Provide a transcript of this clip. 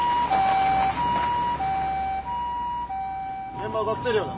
現場は学生寮だ。